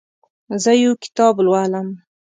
زه یو کتاب لولم.